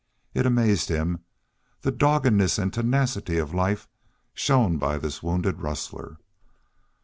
It amazed him, the doggedness and tenacity of life shown by this wounded rustler.